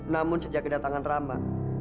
namun sejak kedatangan rama